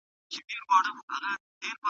ایا څېړونکی باید منظم کار وکړي؟